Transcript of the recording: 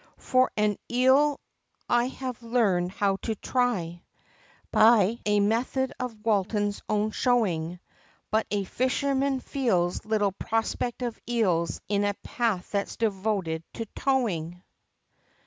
For an Eel I have learned how to try, By a method of Walton's own showing But a fisherman feels Little prospect of Eels, In a path that's devoted to towing!